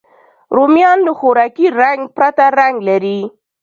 رومیان له خوراکي رنګ پرته رنګ لري